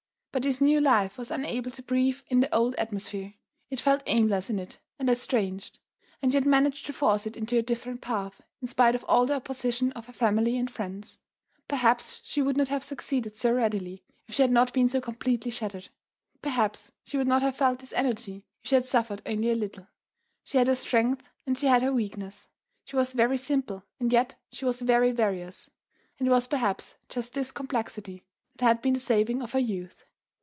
But this new life was unable to breathe in the old atmosphere: it felt aimless in it and estranged; and she had managed to force it into a different path, in spite of all the opposition of her family and friends. Perhaps she would not have succeeded so readily if she had not been so completely shattered. Perhaps she would not have felt this energy if she had suffered only a little. She had her strength and she had her weakness; she was very simple and yet she was very various; and it was perhaps just this complexity that had been the saving of her youth.